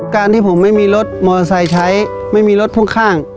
การที่ผมไม่มีรถมอเตอร์ไซค์ใช้ไม่มีรถพ่วงข้าง